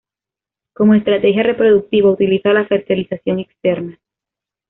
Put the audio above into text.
Como estrategia reproductiva, utiliza la fertilización externa.